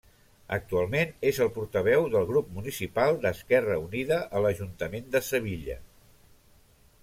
Actualment, és el portaveu del grup municipal d'Esquerra Unida a l'Ajuntament de Sevilla.